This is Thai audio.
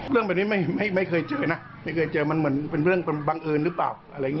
เรื่องแบบนี้ไม่เคยเจอนะไม่เคยเจอมันเหมือนเป็นเรื่องบังเอิญหรือเปล่าอะไรอย่างนี้